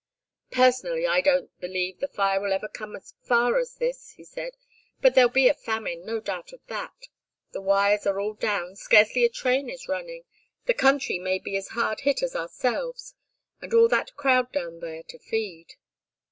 "Personally I don't believe the fire will ever come as far as this," he said. "But there'll be a famine, no doubt of that. The wires are all down, scarcely a train is running, the country may be as hard hit as ourselves and all that crowd down there to feed!"